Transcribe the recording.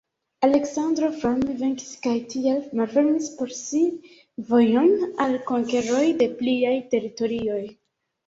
Aleksandro fame venkis kaj tial malfermis por si vojon al konkeroj de pliaj teritorioj.